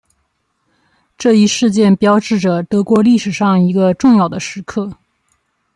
这一事件标志着德国历史上一个重要的时刻。